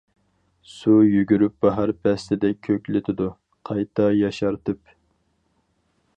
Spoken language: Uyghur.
سۇ يۈگۈرۈپ باھار پەسلىدەك كۆكلىتىدۇ قايتا ياشارتىپ.